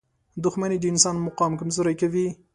• دښمني د انسان مقام کمزوری کوي.